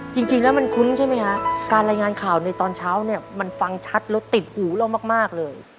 จริงแล้วมันคุ้นใช่ไหมฮะการรายงานข่าวในตอนเช้าเนี่ยมันฟังชัดแล้วติดหูเรามากเลย